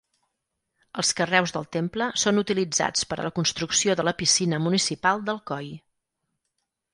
Els carreus del temple són utilitzats per a la construcció de la piscina municipal d'Alcoi.